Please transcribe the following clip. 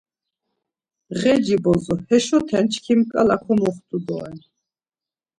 Ğeci bozo heşoten çkim ǩale komoxtu doren.